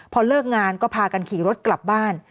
พอเลิกงานก็พากันขี่รถกลับบ้าน